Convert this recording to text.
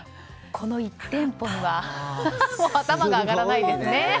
この１店舗には頭が上がらないですね。